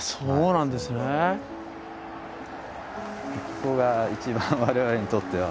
ここが一番我々にとっては。